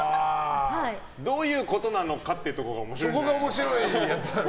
どういうことなのかっていうところが面白いやつ。